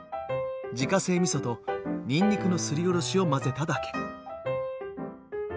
自家製みそとにんにくのすりおろしを混ぜただけ。